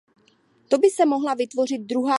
Tak by se mohla vytvořit druhá a třetí generace hvězd.